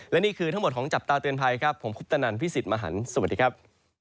และนี่คือทั้งหมดของจับตาเตือนภัยครับผมคุปตนันพี่สิทธิ์มหันฯสวัสดีครับ